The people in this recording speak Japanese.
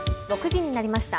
６時になりました。